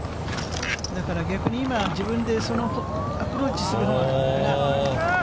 だから逆に今、自分でアプローチするのが。